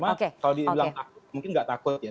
cuma kalau dibilang takut mungkin enggak takut ya